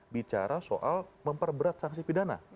bicara soal memperberat sanksi pidana